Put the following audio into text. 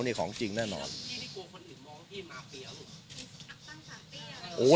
เนี้ยของจริงแน่นอนที่นี่กลัวคนอื่นมองพี่มาฟิยาลูก